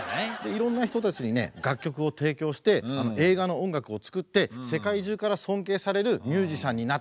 いろんな人たちにね楽曲を提供して映画の音楽を作って世界中から尊敬されるミュージシャンになってね。